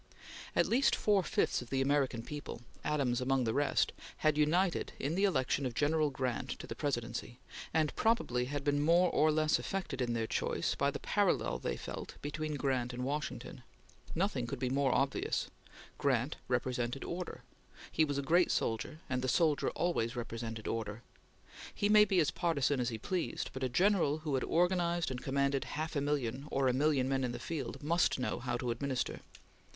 At least four fifths of the American people Adams among the rest had united in the election of General Grant to the Presidency, and probably had been more or less affected in their choice by the parallel they felt between Grant and Washington. Nothing could be more obvious. Grant represented order. He was a great soldier, and the soldier always represented order. He might be as partisan as he pleased, but a general who had organized and commanded half a million or a million men in the field, must know how to administer.